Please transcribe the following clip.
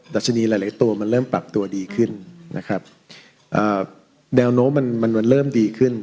ดัชนีหลายหลายตัวมันเริ่มปรับตัวดีขึ้นนะครับแนวโน้มมันมันเริ่มดีขึ้น